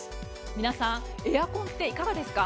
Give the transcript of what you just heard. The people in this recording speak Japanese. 皆さんエアコンっていかがですか？